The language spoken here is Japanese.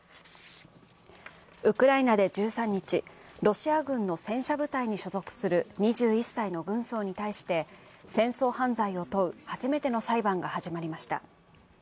ウクライナで１３日、ロシア軍の戦車部隊に所属する２１歳の軍曹に対して、戦争犯罪を問う初めての裁判が始まりました。